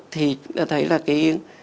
thì thấy là cái